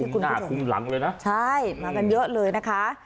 คุณมาคุมหลังเลยนะใช่มากันเยอะเลยนะคะ